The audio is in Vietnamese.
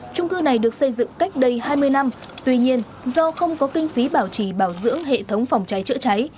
trung cư này được xây dựng cách đây hai mươi năm tuy nhiên do không có kinh phí bảo trì bảo dưỡng hệ thống phòng cháy chữa cháy